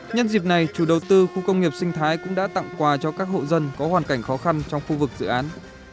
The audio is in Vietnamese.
nhân dịp này chủ đầu tư khu công nghiệp sinh thái cũng đã tặng quà cho các hộ dân có hoàn cảnh khó khăn trong khu vực dự án